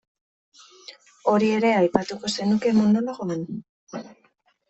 Hori ere aipatuko zenuke monologoan?